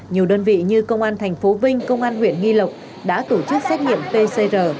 nhiều đơn vị như công an thành phố vinh công an huyện nghi lộc đã tổ chức xét nghiệm pcr